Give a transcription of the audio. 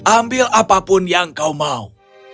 ambil apapun yang kau mau